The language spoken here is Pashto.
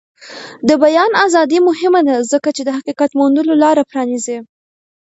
د بیان ازادي مهمه ده ځکه چې د حقیقت موندلو لاره پرانیزي.